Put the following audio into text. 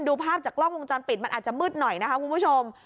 ดูภาพจากกล้องวงจรปิดมันอาจจะมืดหน่อยนะคะคุณผู้ชม